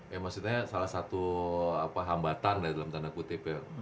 ya maksudnya salah satu hambatan ya dalam tanda kutip ya